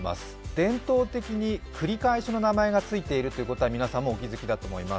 伝統的に繰り返しの名前がついているということは皆さんもお気づきだと思います。